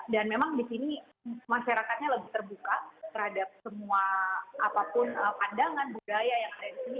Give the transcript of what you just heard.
dan memang di sini masyarakatnya lebih terbuka terhadap semua apapun pandangan budaya yang ada di sini